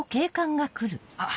あっ。